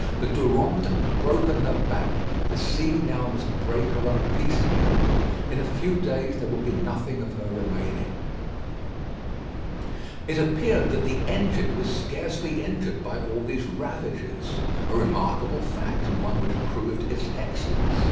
The Durande had broken her back; the sea now must break her up piecemeal. In a few days there would be nothing of her remaining. It appeared that the engine was scarcely injured by all these ravages a remarkable fact, and one which proved its excellence.